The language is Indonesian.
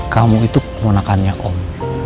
kamu itu penggunakannya om